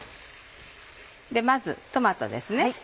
まずトマトです。